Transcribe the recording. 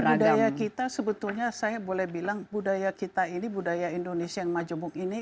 budaya kita sebetulnya saya boleh bilang budaya kita ini budaya indonesia yang majemuk ini